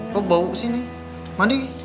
kok bau sih neng mandi